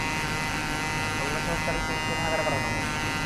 অন্য সরকারি সংশোধনাগারে পাঠানো হয়।